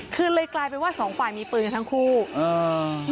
คือเลยกลายเป็นว่าสองฝ่ายมีปืนกันทั้งคู่อ่า